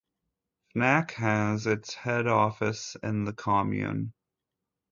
Fnac has its head office in the commune.